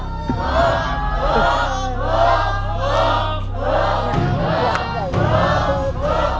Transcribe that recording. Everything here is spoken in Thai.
ถูก